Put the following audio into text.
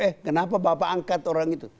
eh kenapa bapak angkat orang itu